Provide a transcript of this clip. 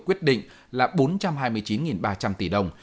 quyết định là bốn trăm hai mươi chín ba trăm linh tỷ đồng